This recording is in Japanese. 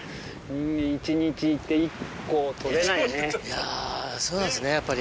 いやそうなんですねやっぱり。